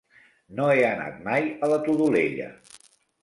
No he anat mai a la Todolella.